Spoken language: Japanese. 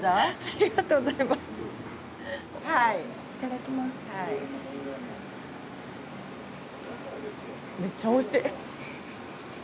めちゃくちゃおいしい。